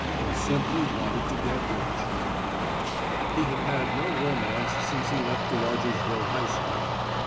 He simply wanted to get rich. He had had no romance since he left the Rogersville High School.